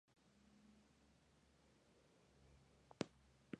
Resultados de votación bajo la modalidad de listas.